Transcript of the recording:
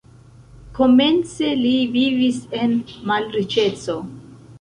Komence li vivis en malriĉeco.